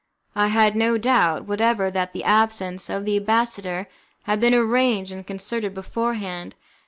I had no doubt whatever that the absence of the ambassador had been arranged and concerted beforehand.